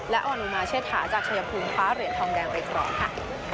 และออนุมาเชษฐาจากชายภูมิคว้าเหรียญทองแดงไปกรอบค่ะ